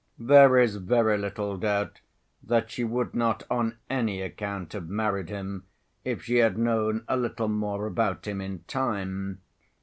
There is very little doubt that she would not on any account have married him if she had known a little more about him in time.